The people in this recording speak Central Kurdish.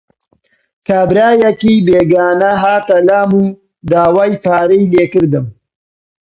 کابرایەکی بێگانە هاتە لام و داوای پارەی لێ کردم.